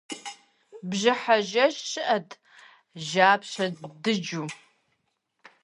Бжьыхьэ жэщ щӀыӀэт, жьапщэ дыджу.